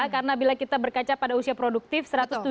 karena bila kita berkaca pada usia produktif